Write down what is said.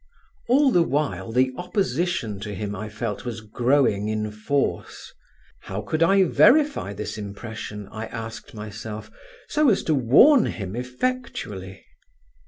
All the while the opposition to him, I felt, was growing in force. How could I verify this impression, I asked myself, so as to warn him effectually?